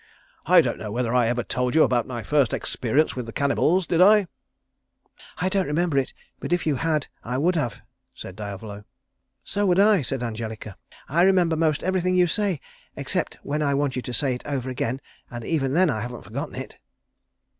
I don't know whether I ever told you about my first experience with the cannibals did I?" "I don't remember it, but if you had I would have," said Diavolo. "So would I," said Angelica. "I remember most everything you say, except when I want you to say it over again, and even then I haven't forgotten it."